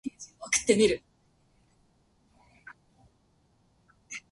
僕がキラだ